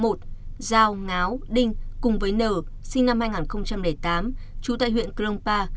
nay zhao ngao ding cùng với nờ sinh năm hai nghìn tám chú tại huyện grongpa